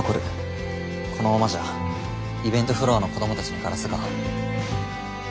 このままじゃイベントフロアの子供たちにガラスが。